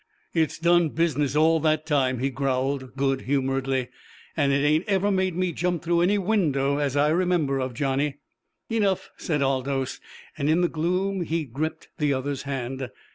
"It's done business all that time," he growled good humouredly. "An' it ain't ever made me jump through any window as I remember of, Johnny!" "Enough," said Aldous, and in the gloom he gripped the other's hand.